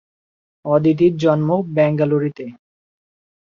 অদিতির জন্ম বেঙ্গালুরুতে।